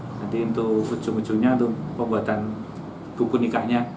nanti itu ujung ujungnya itu pembuatan buku nikahnya